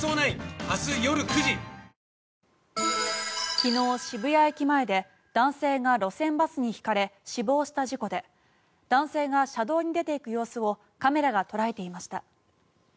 昨日、渋谷駅前で男性が路線バスにひかれ死亡した事故で男性が車道に出ていく様子をカメラが捉えていました。